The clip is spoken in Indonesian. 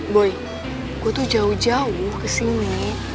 boy gue tuh jauh jauh kesini